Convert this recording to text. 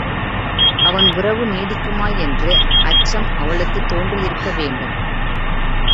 அவன் உறவு நீடிக்குமா என்ற அச்சம் அவளுக்குத் தோன்றி இருக்க வேண்டும்.